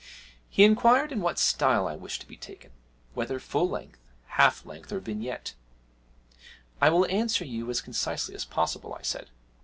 He inquired in what style I wished to be taken, whether full length, half length, or vignette. 'I will answer you as concisely as possible,' I said.